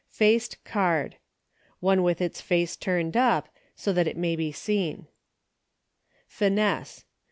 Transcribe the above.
Paced Card. One with its face turned up, so that it may be seen. Finesse.